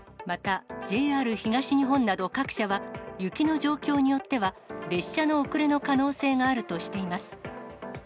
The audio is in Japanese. また、ＪＲ東日本など各社は、雪の状況によっては列車の遅れの可能性があるとしています。